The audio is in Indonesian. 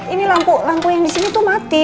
ini lampu yang disini tuh mati